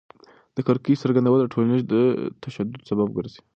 د کرکې څرګندول د ټولنیز تشدد سبب ګرځي.